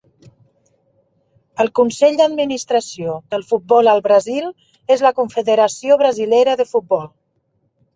El consell d'administració del futbol al Brasil és la Confederació Brasilera de Futbol.